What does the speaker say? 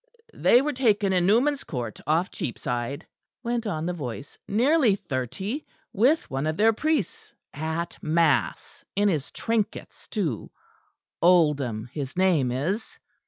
"They were taken in Newman's Court, off Cheapside," went on the voice, "nearly thirty, with one of their priests, at mass, in his trinkets too Oldham his name is."